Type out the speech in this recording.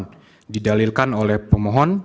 yang didalilkan oleh pemohon